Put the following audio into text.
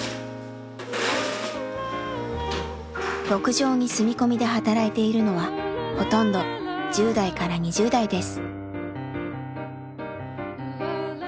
牧場に住み込みで働いているのはほとんど１０代から２０代です。